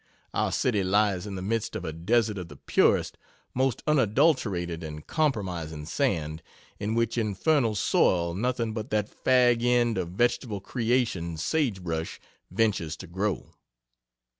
Our city lies in the midst of a desert of the purest most unadulterated, and compromising sand in which infernal soil nothing but that fag end of vegetable creation, "sage brush," ventures to grow.